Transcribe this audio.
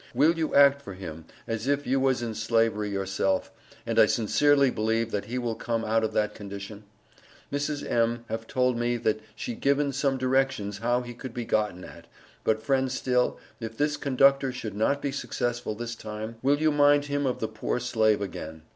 Will you act for him, as if you was in slavery yourself, and I sincerely believe that he will come out of that condition? Mrs. M. have told me that she given some directions how he could be goten at, but friend Still, if this conductor should not be successfull this time, will you mind him of the Poor Slave again.